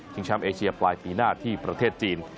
แชมป์เอเชียปลายปีหน้าที่ประเทศจีน